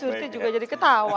sorti juga jadi ketawa